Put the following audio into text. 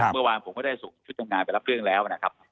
เมื่อวานผมก็ได้ส่งชุดทำงานไปรับเรื่องแล้วนะครับ